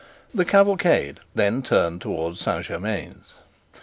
The cavalcade then turned towards Saint Germains.